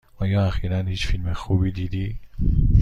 آیا اخیرا هیچ فیلم خوبی دیدی؟